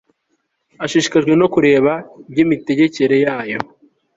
ashishikajwe no kureba iby'imitegekere yayo